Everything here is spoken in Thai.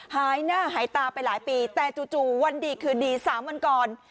หายหน้าหายตาไปหลายปีแต่จู่วันดีคืนดี๓วันก่อน